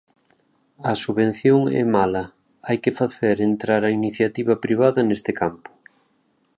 A subvención é mala, hai que facer entrar a iniciativa privada neste campo.